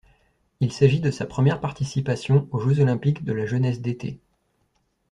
Il s'agit de sa première participation aux Jeux olympiques de la jeunesse d'été.